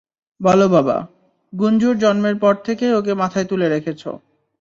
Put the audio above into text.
বলো বাবা, গুঞ্জুর জন্মের পর থেকেই ওকে মাথায় তুলে রেখেছ।